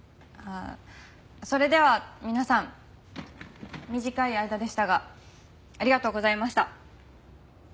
それでは皆さん短い間でしたがありがとうございました。